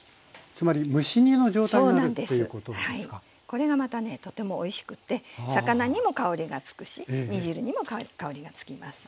これがまたねとてもおいしくて魚にも香りがつくし煮汁にも香りがつきます。